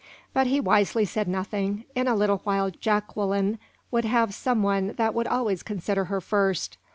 But he wisely said nothing; in a little while Jacqueline would have some one that would always consider her first.